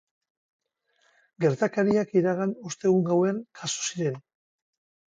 Gertakariak iragan ostegun gauean jazo ziren.